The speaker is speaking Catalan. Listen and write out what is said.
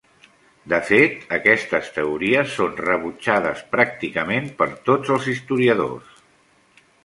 De fet, aquestes teories són rebutjades pràcticament per tots els historiadors.